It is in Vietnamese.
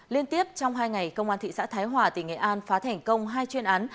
liên tiếp trong hai ngày công an thị xã thái hòa tỉnh nghệ an phá thành công hai chuyên án